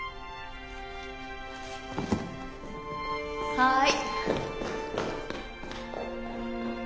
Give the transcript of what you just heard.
はい。